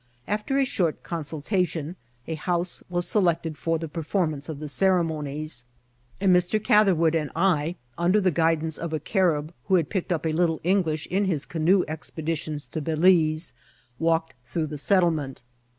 After a short con* sultation, a house was selected for the performance of the ceremonies, and Mr. Catherwood and I, under the guidance of a Carib, who had picked up a little English in his canoe expeditions to Balize, walked through the settlement.